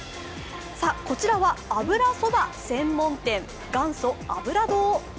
こちらは、油そば専門店元祖油堂。